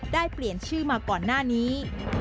ได้เปลี่ยนชื่อมาก่อนหน้านี้